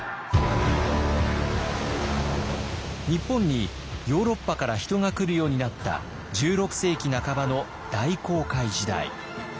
日本にヨーロッパから人が来るようになった１６世紀半ばの大航海時代。